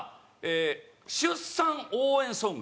出産応援ソング。